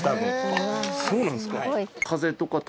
そうなんですか。